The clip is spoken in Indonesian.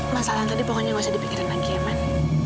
masalah tadi pokoknya masih dipikirin lagi ya man